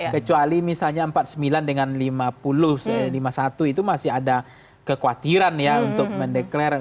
kecuali misalnya empat puluh sembilan dengan lima puluh lima puluh satu itu masih ada kekhawatiran ya untuk mendeklarasi